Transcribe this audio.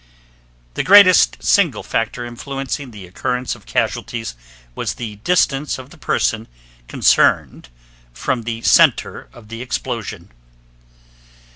The greatest single factor influencing the occurrence of casualties was the distance of the person concerned from the center of explosion.